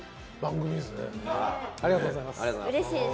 ありがとうございます。